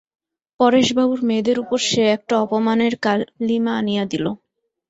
পরেশবাবুর মেয়েদের উপর সে একটা অপমানের কালিমা আনিয়া দিল!